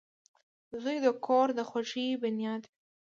• زوی د کور د خوښۍ بنیاد وي.